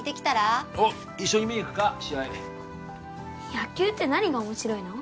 野球って何が面白いの？